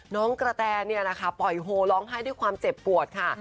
น้องกระแทนี่นะคะปล่อยโหล้ร้องให้ด้วยความเจ็บปวดค่ะ